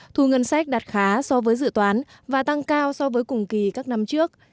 thu ngân sách đạt khá so với dự toán và tăng cao so với cùng kỳ các năm trước